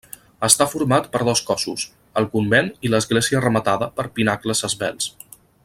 Està format per dos cossos: el convent i l'església rematada per pinacles esvelts.